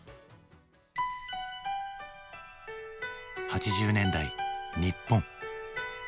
８０年代日本。